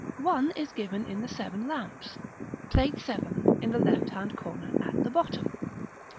One is given in the "Seven Lamps," Plate VII., in the left hand corner at the bottom.